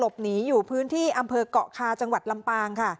หนีอยู่พื้นที่อำเภอกเกาะคาจังหวัดลำปางค่ะ